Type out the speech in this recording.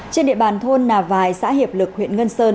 trên địa bàn thôn nà vài xã hiệp lực huyện ngân sơn